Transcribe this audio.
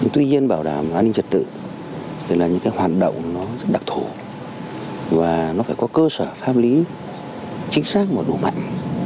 tuy nhiên bảo đảm an ninh trật tự thì là những cái hoạt động nó đặc thủ và nó phải có cơ sở pháp lý chính xác và đủ mạnh